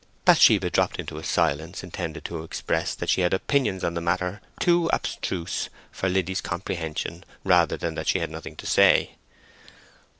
Bathsheba dropped into a silence intended to express that she had opinions on the matter too abstruse for Liddy's comprehension, rather than that she had nothing to say.